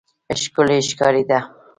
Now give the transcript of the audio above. ښکلی ښکارېده.